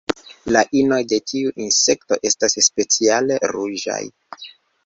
La inoj de tiu insekto estas speciale ruĝaj.